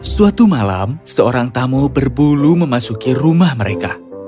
suatu malam seorang tamu berbulu memasuki rumah mereka